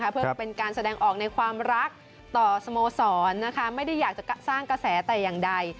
เพื่อเป็นการแสดงออกในความรักต่อสโมสรไม่ได้อยากจะสร้างกระแสแต่อย่างใด